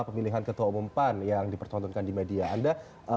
pemilihan ketua umum pan yang dipertontonkan di media anda